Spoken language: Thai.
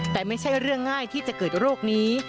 แต่ไม่ใช่เรื่องง่ายที่จะเกิดโรคนี้